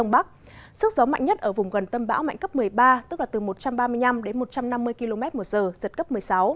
bão mạnh cấp một mươi ba tức là từ một trăm ba mươi năm đến một trăm năm mươi km một giờ giật cấp một mươi sáu